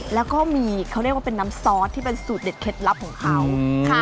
แล้วก็มีเขาเรียกว่าเป็นน้ำซอสที่เป็นสูตรเด็ดเคล็ดลับของเขาค่ะ